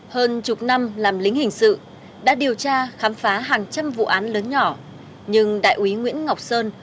hơn chục năm làm lính hình sự đã điều tra khám phá hàng trăm vụ án lớn nhỏ nhưng đại úy nguyễn ngọc sơn